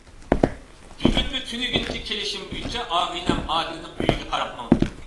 بۈگۈنمۇ تۈنۈگۈنكى كېلىشىم بويىچە ئاغىنەم ئادىلنىڭ ئۆيىگە قاراپ ماڭدىم.